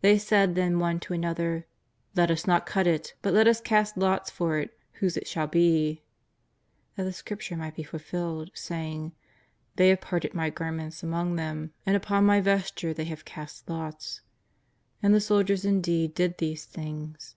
They said then one to another: * Let us not cut it, but let us cast lots for it whose it shall be,' that the Scripture might be fulfilled, saying: ' They have parted My garments among them, and upon My vesture they have cast lots.' And the soldiers in deed did these things."